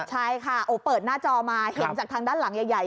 ใช่ค่ะโอ้เปิดหน้าจอมาเห็นจากทางด้านหลังใหญ่